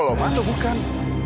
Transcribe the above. kolom atau bukan